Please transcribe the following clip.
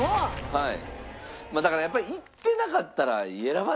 はい。